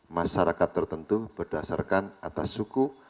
masyarakat tertentu berdasarkan atas suku